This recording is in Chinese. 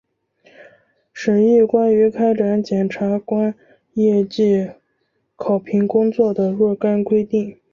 审议关于开展检察官业绩考评工作的若干规定